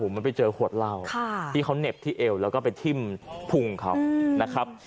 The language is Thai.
มันไปเจอขวดเหล้าที่เขาเหน็บที่เอวแล้วก็ไปทิ้มพุงเขานะครับ